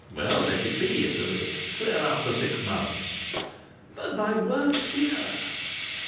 Well, let it be Italy. Clear out for six months." "But my work here?"